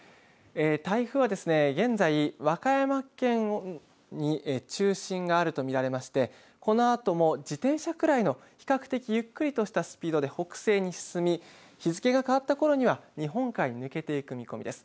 台風は現在、和歌山県に中心があると見られまして、このあとも自転車くらいの比較的ゆっくりとしたスピードで北西に進み、日付が変わったころには日本海に抜けていく見込みです。